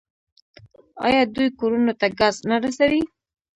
آیا دوی کورونو ته ګاز نه رسوي؟